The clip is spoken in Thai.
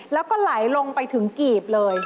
แล้วก็ไหลลงไปถึงกีบเลย